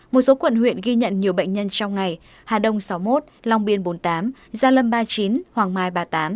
một số quận huyện ghi nhận nhiều bệnh nhân trong ngày hà đông sáu mươi một long biên bốn mươi tám gia lâm ba mươi chín hoàng mai ba mươi tám